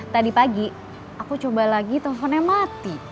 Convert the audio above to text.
tadi pagi aku coba lagi teleponnya mati